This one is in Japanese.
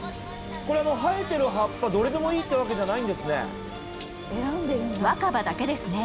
生えてる葉っぱどれでもいいってわけじゃないんですね。